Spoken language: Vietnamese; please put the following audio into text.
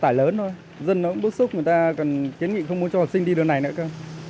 xe tải lớn thôi dân nó cũng bốc xúc người ta còn kiến nghị không muốn cho học sinh đi đường này nữa cơ